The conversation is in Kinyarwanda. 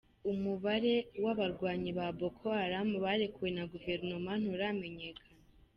Umubare w'abarwanyi ba Boko Haram barekuwe na guverinoma nturamenyekana.